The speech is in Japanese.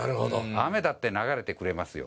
雨だって流れてくれますよ。